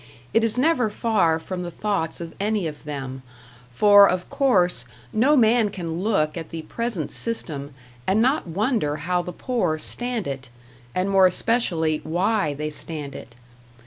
It is never far from the thoughts of any of them for, of course, no man can look at the present system and not wonder how the poor stand it, and more especially #why# they stand it.